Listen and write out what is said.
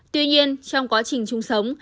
tuy nhiên trong quá trình chung sống